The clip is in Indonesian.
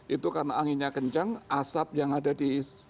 itu karena anginnya kencang asap yang ada di